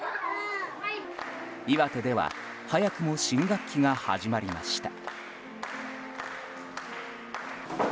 岩手では早くも新学期が始まりました。